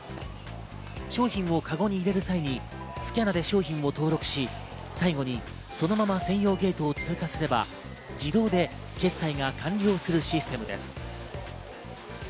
商品をカゴに入れる際にスキャナで商品を登録し、最後にそのまま専用ゲートを通過すれば、自動で決済が完了するシステムです。